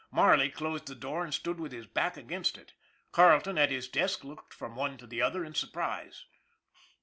Marley closed the door and stood with his back against it. Carleton, at his desk, looked from one to the other in surprise.